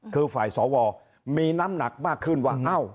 คือฝ่ายสวมีน้ำหนักมากขึ้นว่า